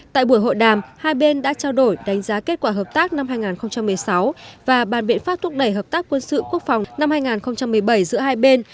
tại buổi hội đàm hai bên đã trao đổi đánh giá kết quả hợp tác năm hai nghìn một mươi sáu và bàn biện pháp thúc đẩy hợp tác quân sự quốc phòng năm hai nghìn một mươi bảy giữa hai bên